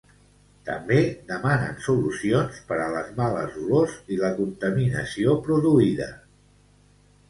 També demanen solucions per a les males olors i la contaminació produïda.